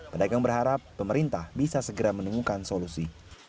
pedagang berharap pemerintah bisa segera menemukan solusi